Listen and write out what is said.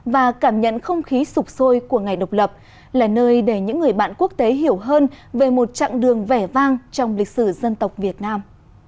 và cảm nhận không khí sụp sôi của ngày độc lập là nơi để những người bạn quốc tế hiểu hơn về một chặng đường vẻ vang trong lịch sử dân tộc việt nam